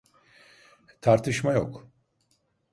Tartışma yok.